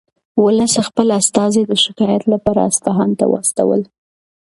ولس خپل استازي د شکایت لپاره اصفهان ته واستول.